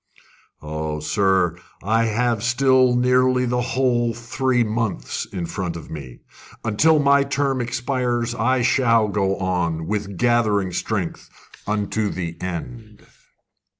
"Oh, sir, I have still nearly the whole three months in front of me! Until my term expires I shall go on, with gathering strength, unto the end."